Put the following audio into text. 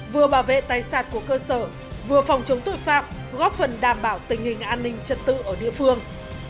vừa bảo vệ tài sản của cơ sở vừa phòng chống tội phạm góp phần đảm bảo tình hình an ninh trật tự ở địa phương